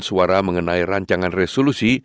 suara mengenai rancangan resolusi